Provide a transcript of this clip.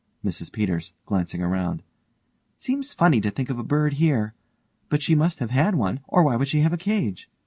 MRS PETERS: (glancing around) Seems funny to think of a bird here. But she must have had one, or why would she have a cage?